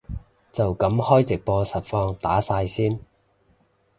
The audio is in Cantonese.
就噉開直播實況打晒先